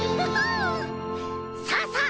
さあさあ